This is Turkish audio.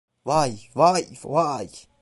Vay, vay, vay.